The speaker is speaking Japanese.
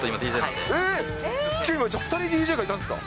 ２人、ＤＪいたんですか？